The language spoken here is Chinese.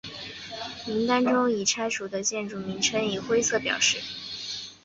名单中已拆除的建筑名称以灰色表示。